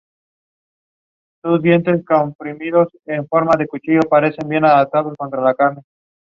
It invested the Board of Control with full power and authority over the Company.